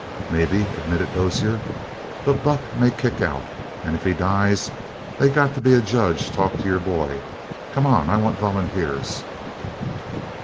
"Maybe," admitted Dozier. "But Buck may kick out. And if he dies they's got to be a judge talk to your boy. Come on. I want volunteers."